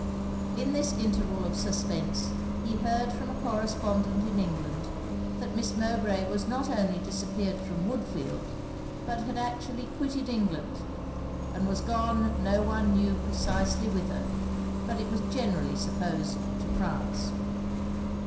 In this interval of suspense, he heard from a correspondent in England, that Miss Mowbray had not only disappeared from Woodfield, but had actually quitted England; and was gone no one knew precisely whither; but it was generally supposed to France.